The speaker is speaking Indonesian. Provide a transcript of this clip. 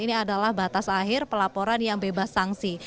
ini adalah batas akhir pelaporan yang bebas sanksi